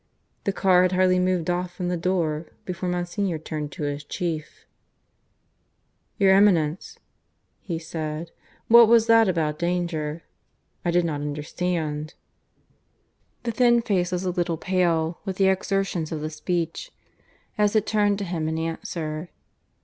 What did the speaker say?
The car had hardly moved off from the door before Monsignor turned to his chief. "Your Eminence," he said, "what was that about danger? I did not understand." The thin face was a little pale with the exertions of the speech, as it turned to him in answer.